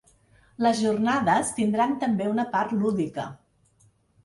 Les jornades tindran també una part lúdica.